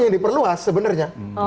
yang diperluas sebenarnya